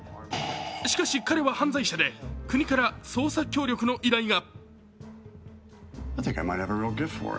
しかし、彼は犯罪者で、国から捜査協力の依頼が。